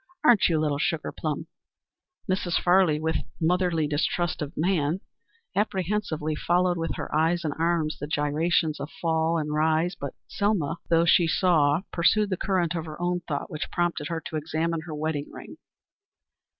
Aren't you, little sugar plum?" Mrs. Farley, with motherly distrust of man, apprehensively followed with her eyes and arms the gyrations of rise and fall; but Selma, though she saw, pursued the current of her own thought which prompted her to examine her wedding ring.